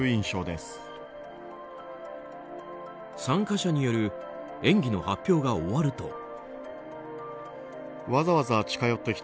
参加者による演技の発表が終わると。